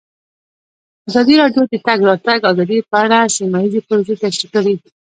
ازادي راډیو د د تګ راتګ ازادي په اړه سیمه ییزې پروژې تشریح کړې.